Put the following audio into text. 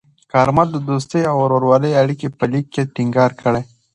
کارمل د دوستۍ او ورورولۍ اړیکې په لیک کې ټینګار کړې.